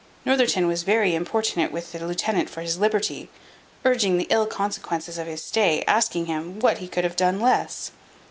Northerton was very importunate with the lieutenant for his liberty; urging the ill consequences of his stay, asking him, what he could have done less?